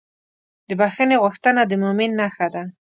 د بښنې غوښتنه د مؤمن نښه ده.